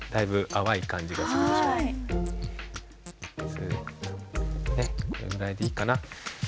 スッこれぐらいでいいかな。